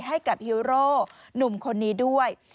ให้กับฮีโร่หนุ่มคนนี้ด้วย